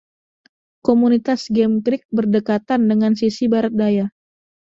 Komunitas Game Creek berdekatan dengan sisi barat daya.